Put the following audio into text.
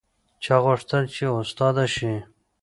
چا غوښتل چې استاده شي